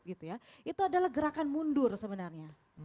itu adalah gerakan mundur sebenarnya